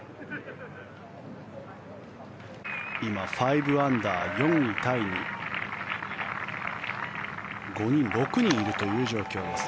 今、５アンダー、４位タイに６人いるという状況です。